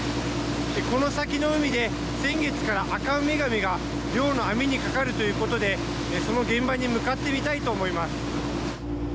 この先の海で、先月からアカウミガメが漁の網にかかるということで、その現場に向かってみたいと思います。